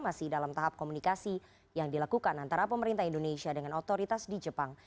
masih dalam tahap komunikasi yang dilakukan antara pemerintah indonesia dengan otoritas di jepang